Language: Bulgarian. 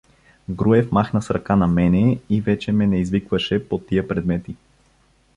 Груев махна с ръка на мене и вече ме не извикваше по тия предмети.